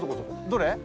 どれ？